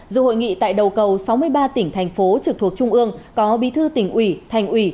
dự hội nghị tại đầu cầu sáu mươi ba tỉnh thành phố trực thuộc trung ương có bí thư tỉnh ủy thành ủy